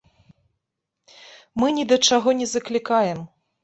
Мы ні да чаго не заклікаем.